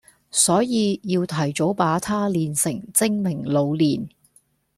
所以要提早把他練成精明老練